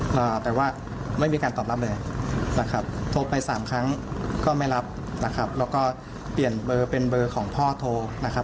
ก็ไม่รับนะครับแล้วก็เปลี่ยนเบอร์เป็นเบอร์ของพ่อโทรนะครับ